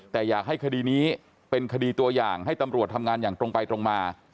แต่อยากให้คดีนี้เป็นคดีตัวอย่างให้ตำรวจทำงานอย่างตรงไปตรงมา